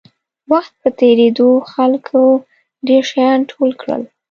وخت په تېرېدو خلکو ډېر شیان ټول کړل.